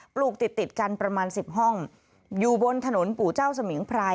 ลูกติดติดกันประมาณสิบห้องอยู่บนถนนปู่เจ้าสมิงพราย